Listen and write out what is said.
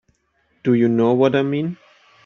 Do you know what I mean?